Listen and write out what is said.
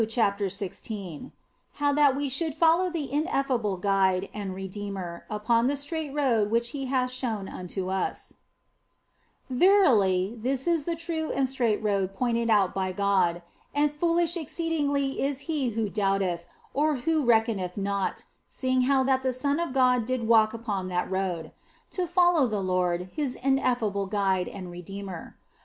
CHAPTER XVI HOW THAT WE SHOULD FOLLOW THE INFALLIBLE GUIDE AND REDEEMER UPON THE STRAIGHT ROAD WHICH HE HATH SHOWN UNTO US VERILY, this is the true and straight road pointed out by God, and foolish exceedingly is he who doubteth, or who reckoneth not (seeing how that the Son of God did walk OF FOLIGNO 85 upon that road), to follow the Lord, his ineffable Guide and Redeemer.